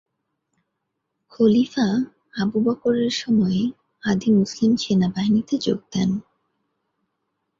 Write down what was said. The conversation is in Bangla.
খলিফা আবু বকরের সময়ে আদি মুসলিম সেনাবাহিনীতে যোগ দেন।